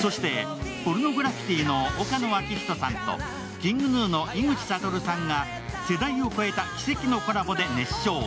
そしてポルノグラフィティの岡野昭仁さんと、ＫｉｎｇＧｎｕの井口理さんが世代を超えた奇跡のコラボで熱唱。